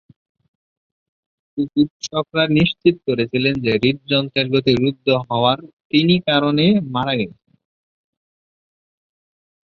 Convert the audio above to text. চিকিৎসকরা নিশ্চিত করেছিলেন যে হৃদযন্ত্রের গতি রুদ্ধ হওয়ার তিনি কারণে মারা গেছেন।